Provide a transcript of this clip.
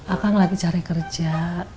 akang lagi cari kerja